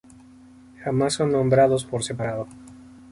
Jamás son nombrados por separado.